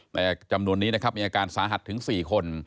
แต่จำนวนนี้นะครับมีอาการสาหัสถึง๔คน